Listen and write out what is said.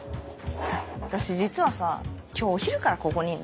私実はさ今日お昼からここにいるのね。